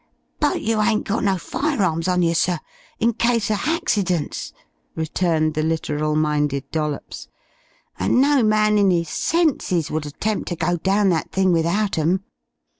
"But you ain't got no firearms on yer, sir, in case o' h'accidents," returned the literal minded Dollops, "and no man in 'is senses would attempt to go down that thing without 'em."